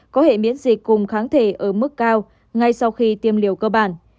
có hệ miễn dịch cùng kháng thể ở mức cao ngay sau khi tiêm liều cơ bản